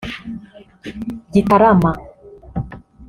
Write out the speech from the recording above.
Gitarama